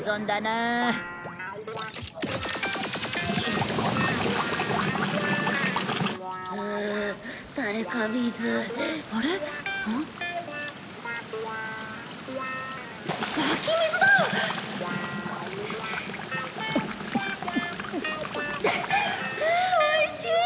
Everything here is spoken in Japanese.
あおいしい！